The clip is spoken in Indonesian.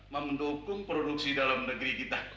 mendukung produksi dalam negeri kita